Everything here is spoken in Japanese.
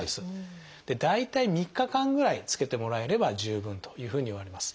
大体３日間ぐらいつけてもらえれば十分というふうにいわれます。